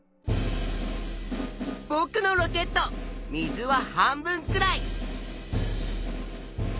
ぼくのロケット水は半分くらい。